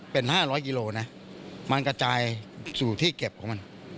เป็น๕๐๐กิโลนะมันกระจายสู่ที่เก็บของมัน